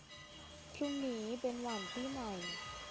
พรุ่งนี้เป็นวันปีใหม่